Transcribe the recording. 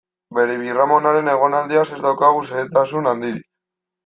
Bere birramonaren egonaldiaz ez daukagu xehetasun handirik.